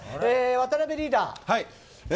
渡辺リーダー。